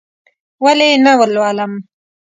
ولې یې نه لولم؟!